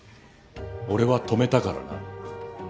俺は止めたからな。